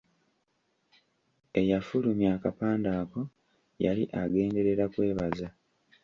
Eyafulumya akapande ako yali agenderera kwebaza.